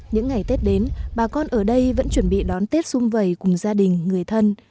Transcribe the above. những ngày tết đến bà con ở đây vẫn chuẩn bị đón tết xung vầy cùng gia đình người thân